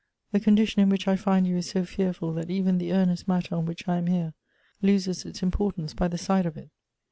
The condition in which I find you is so fearful that even the earnest mat ter on which I am here, loses its importance by the side of it."